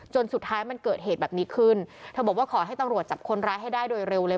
สุดท้ายมันเกิดเหตุแบบนี้ขึ้นเธอบอกว่าขอให้ตำรวจจับคนร้ายให้ได้โดยเร็วเลย